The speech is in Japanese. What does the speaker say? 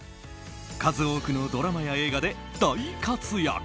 数多くのドラマや映画で大活躍。